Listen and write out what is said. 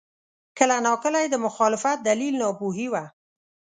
کله ناکله یې د مخالفت دلیل ناپوهي وه.